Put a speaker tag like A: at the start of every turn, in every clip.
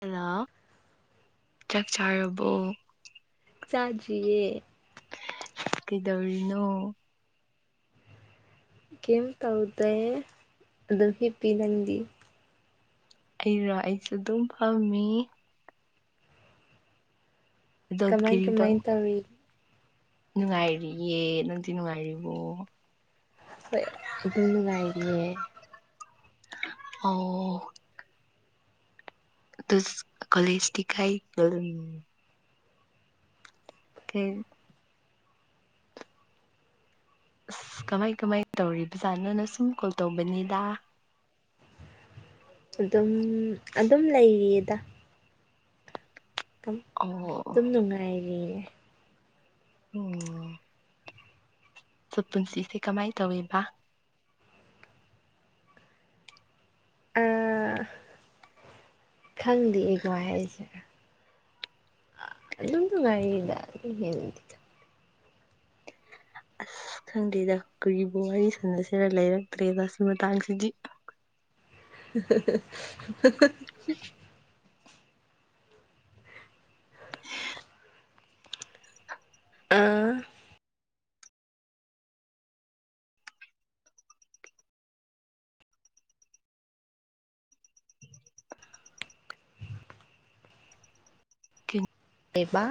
A: Hello ꯆ ꯆ ꯑ
B: ꯆꯥꯖꯤꯌꯦ
A: ꯀꯩꯗꯧꯔꯤꯅꯣ
B: ꯀꯦꯝ ꯇꯎꯗꯦ ꯑꯗꯨꯗꯣ ꯍꯤꯄꯤꯤ ꯅꯒꯤ
A: ꯑꯩꯔꯣ ꯑꯩꯁꯨꯦ ꯑꯗꯨꯝ ꯄꯥꯝꯃꯤ
B: ꯀꯃꯥꯏ ꯀꯃꯥꯏ ꯇꯕ
A: ꯅꯨꯡꯉꯥꯏꯔꯤꯌꯦꯦ ꯅꯅꯨꯡꯉꯥꯏꯔꯤꯕꯣ
B: ꯍꯣꯏ ꯑꯗꯨ ꯅꯨꯡꯉꯥꯏꯔꯤꯌꯦꯦ
A: ꯑꯣ ꯇ ꯀꯂꯦꯖꯗꯤꯤꯀꯥꯏ ꯐ ꯑꯁ ꯀꯃꯥꯏ ꯀꯃꯥꯏ ꯇꯧꯔꯤꯕ ꯖꯥꯠꯅꯣꯅ ꯁꯨꯝ ꯀꯣꯜ ꯇꯧꯕꯅꯤꯗ
B: ꯑꯗꯨꯝ ꯑꯗꯨꯝ ꯂꯩꯔꯤꯌꯦꯗ
A: ꯑꯣ
B: ꯑꯗꯨꯝ ꯅꯨꯡꯉꯥꯏꯔꯤ ꯑꯦ꯫
A: ꯎꯝ꯫ ꯁ ꯄꯨꯟꯁꯤꯁꯦ ꯀꯃꯥꯏ ꯇꯧꯋꯦꯕ꯫
B: ꯑ ꯈꯪꯗꯦ ꯀꯃꯥꯏ ꯍꯥꯏꯁꯤꯔ ꯑꯗꯨꯝ ꯅꯨꯡꯉꯥꯏꯔꯤꯗ ꯗꯨꯒꯤꯗꯤ꯫
A: ꯑꯁ ꯈꯪꯗꯦꯗ ꯀꯨ ꯋꯥꯔꯤ ꯁꯥꯟꯅꯁꯤꯔ ꯂꯩꯔꯛꯇ꯭ꯔꯦꯗ ꯁꯤ ꯃꯇꯥꯡꯁꯤꯗꯤ꯫
B: ꯫ ꯑꯥ꯫
A: ꯀꯤꯟ꯫
B: ꯄ‌ꯦꯕ‌꯫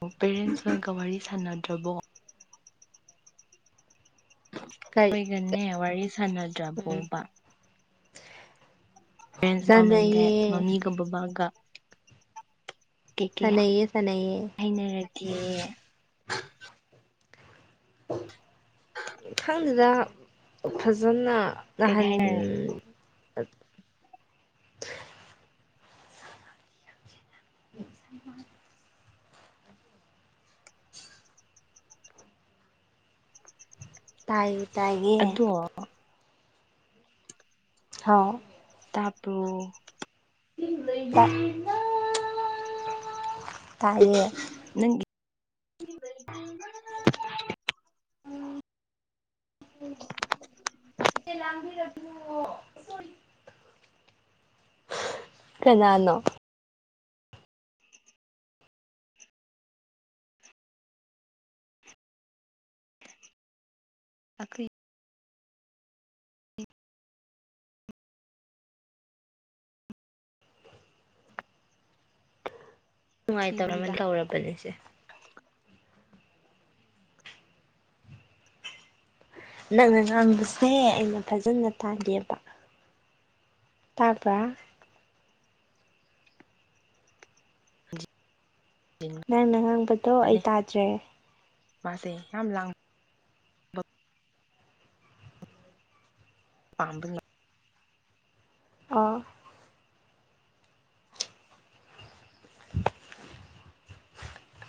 A: ꯑꯣ ꯄꯦꯔꯦꯟꯁ ꯑꯣꯏꯅꯒ ꯋꯥꯔꯤ ꯁꯥꯅꯟ꯫ ꯊꫭꯏꯕꫭ꯫
B: ꯀꯔꯤ
A: ꯑꯣꯏꯒꯅꯦ ꯋꯥꯔꯤ
B: ꯎꯝ
A: ꯁꯥꯟꯅꯗ꯭ꯔꯕꯣꯕ꯫ ꯃꯥꯝꯁ ꯑꯦꯟ ꯗ‌ꯦꯠ
B: ꯁꯥꯟꯅꯩꯌꯦ
A: ꯃꯃꯤꯒ ꯕꯕꯥꯒ꯫ ꯀꯩ-ꯀꯩ
B: ꯁꯥꯟꯅꯩꯌꯦ ꯁꯥꯟꯅꯩꯌꯦ
A: ꯍꯥꯏꯅꯔꯒꯦ꯫
B: ꯈꯪꯗ‌ꯦꯗ꯫ ꯐꯖꯅ
A: ꯀꯩꯀꯩ
B: ꯅꯍꯟ꯫ ꯫
A: ꯍꯥꯏꯅꯔꯦ
B: ꯫ ꯇꯥꯏꯌꯦ꯫ ꯇꯥꯏꯌ‌ꯦ꯫
A: ꯑꯗꯣ
B: ꯍꯥꯎ꯫
A: ꯇꯥꯕꯔ꯭ꯣ꯫
B: ꯌ‌ꯦꯅ꯫ ꯇꯥꯏꯌꯦ꯫
A: ꯅ꯫
B: ꯑꯃꯇ ꯂꯥꯡꯕꯤꯔꯛꯈꯤꯅꯨ ꯑꯣ ꯀꯅꯥꯅꯣ꯫
A: ꯑꯈꫭꯏ꯫
B: ꯅꯨꯡꯉꯥꯏꯇꯧꯔꯝ
A: ꯁꯤꯅꯤꯗ
B: ꯍꯧꯔꯕꯅꯤꯁꯦ꯫ ꯅꯪꯅ ꯉꯥꯡꯕꯁꯦ ꯑꯩꯅ ꯐꯖꯅ ꯇꯥꯗꯦꯕ ꯇꯥꯕ꯭ꯔꯥ꯫ ꯅꯪꯅ ꯍꯪꯕꯗꯣ ꯑꯩ ꯇꯥꯗ꯭ꯔꯦ꯫
A: ꯃꯥꯁꯦ ꯌꯥꯝ ꯂꯥꯡ꯫ ꯄꯥꯝꯕꯅꯤ꯫
B: ꯑꯣ꯫